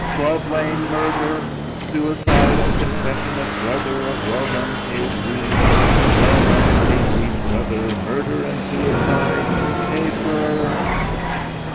Glove Lane Murder!... Suicide and confession of brother of well known K.C..... Well known K.C.'. brother.... Murder and suicide.... Paiper!"